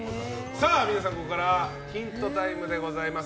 皆さん、ここからはヒントタイムでございます。